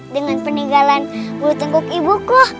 dengan peninggalan bulu tengkuk ibuku